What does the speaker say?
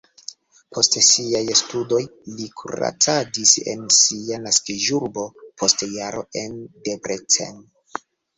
Post siaj studoj li kuracadis en sia naskiĝurbo, post jaro en Debrecen.